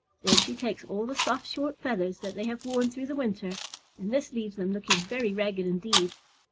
Then she takes all the soft, short feathers that they have worn through the winter, and this leaves them looking very ragged indeed.